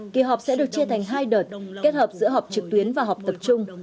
kỳ họp sẽ được chia thành hai đợt kết hợp giữa họp trực tuyến và họp tập trung